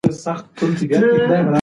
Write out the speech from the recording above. شاید سبا باران وورېږي.